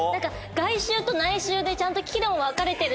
外周と内周でちゃんと岐路も分かれてるし。